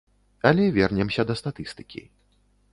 Але вернемся да статыстыкі.